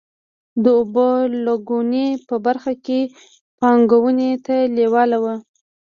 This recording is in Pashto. د اوبو لګونې په برخه کې پانګونې ته لېواله وو.